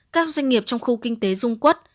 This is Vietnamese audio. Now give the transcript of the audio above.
các doanh nghiệp trong khu kinh tế dung quất